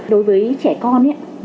đối với trẻ con